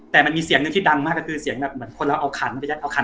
แต่มันมีเสียงนึงที่ดังมากก็คือเหมือนคนเรางองขัน